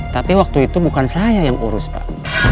tapi waktu itu bukan saya yang urus pak